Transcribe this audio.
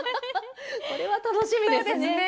それは楽しみですね。